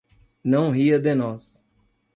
Não ria de nós!